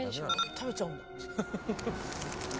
食べちゃうんだ。